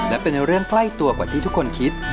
และเป็นเรื่องใกล้ตัวกว่าที่ทุกคนคิด